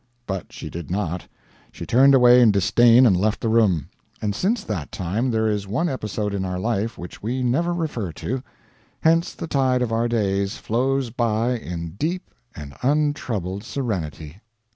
But she did not. She turned away in disdain and left the room; and since that time there is one episode in our life which we never refer to. Hence the tide of our days flows by in deep and untroubled serenity.